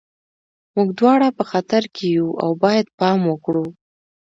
موږ دواړه په خطر کې یو او باید پام وکړو